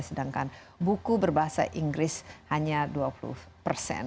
sedangkan buku berbahasa inggris hanya dua puluh persen